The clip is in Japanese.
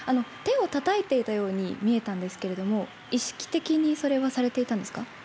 手をたたいていたように見えたんですけれども意識的にそれはされていたんですか？